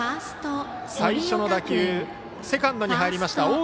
最初の打球セカンドに入りました。